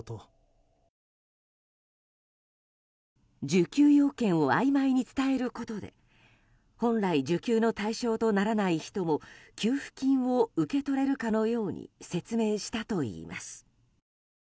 受給要件をあいまいに伝えることで本来、受給の対象とならない人も給付金を受け取れるかのように説明したといいます。